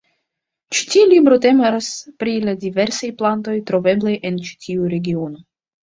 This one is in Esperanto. Ĉi tiu libro temas pri la diversaj plantoj troveblaj en ĉi tiu regiono.